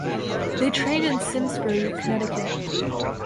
They trained in Simsbury, Connecticut.